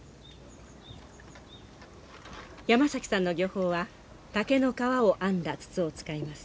山崎さんの漁法は竹の皮を編んだ筒を使います。